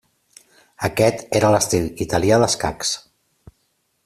Aquest era l'estil italià d'escacs.